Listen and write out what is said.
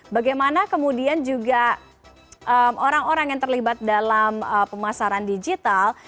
bagaimana kemudian juga orang orang yang terlibat dalam pemasaran digital